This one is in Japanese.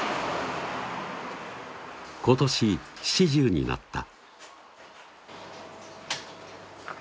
今年７０になった